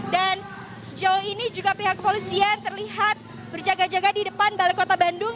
dan sejauh ini juga pihak kepolisian terlihat berjaga jaga di depan balai kota bandung